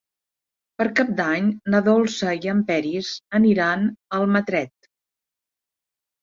Per Cap d'Any na Dolça i en Peris aniran a Almatret.